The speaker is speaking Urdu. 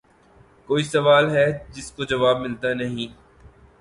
کوئی سوال ھے جس کو جواب مِلتا نیں